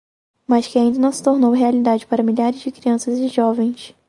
mas que ainda não se tornou realidade para milhares de crianças e jovens